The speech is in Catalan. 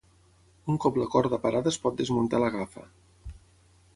Un cop la corda parada es pot desmuntar la gafa.